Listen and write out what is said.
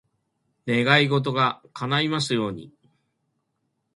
願い事が叶いますように。